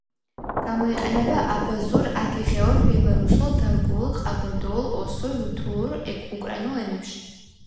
გამოიყენება აბაზურ, ადიღეურ, ბელარუსულ, დარგუულ, ყაბარდოულ, ოსურ, რუთულურ, უკრაინულ ენებში.